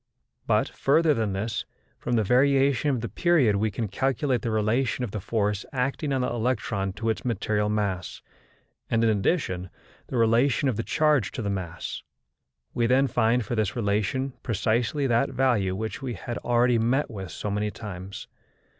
But, further than this, from the variation of the period we can calculate the relation of the force acting on the electron to its material mass, and, in addition, the relation of the charge to the mass. We then find for this relation precisely that value which we have already met with so many times.